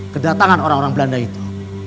kedatangan orang orang belanda itu